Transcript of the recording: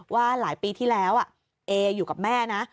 ว่าหลายปีที่แล้วเออยู่กับแม่นะ